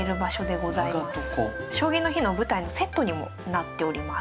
「将棋の日」の舞台のセットにもなっております。